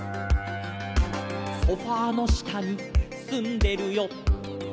「ソファの下にすんでるよ」